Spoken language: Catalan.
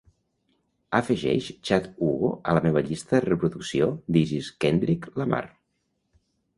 Afegeix Chad Hugo a la meva llista de reproducció This Is Kendrick Lamar.